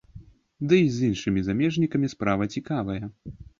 Дый з іншымі замежнікамі справа цікавая.